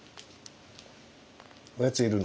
おやついるの？